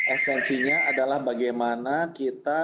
esensinya adalah bagaimana kita